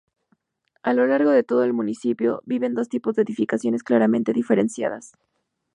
A lo largo de todo el municipio, conviven dos tipos de edificaciones claramente diferenciadas.